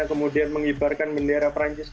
kemudian mengibarkan bendera perancis